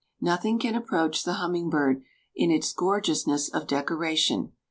Nothing can approach the humming bird in its gorgeousness of decoration.